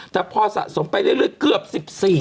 แต่พอสะสมไปเรื่อยเกือบ๑๔